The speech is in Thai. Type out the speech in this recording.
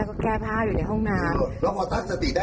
แม่ก็แก้ผ้าอยู่ในห้องน้ำ